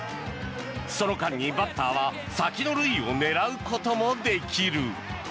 その間にバッターは先の塁を狙うこともできる。